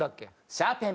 シャーペン。